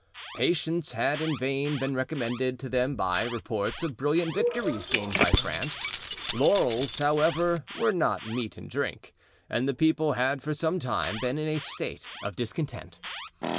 Patience had in vain been recommended to them by reports of brilliant victories gained by France; laurels, however, were not meat and drink, and the people had for some time been in a state of discontent.